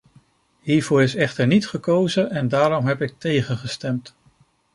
Hiervoor is echter niet gekozen, en daarom heb ik tegengestemd.